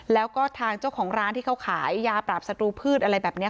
แล้วก็ทางเจ้าของร้านที่เขาขายยาปราบศัตรูพืชอะไรแบบนี้